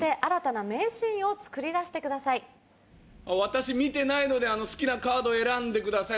私見てないので好きなカード選んでください。